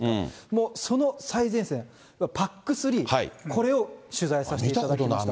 もうその最前線、ＰＡＣ３、これを取材させていただきました。